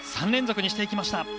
３連続にしてきました。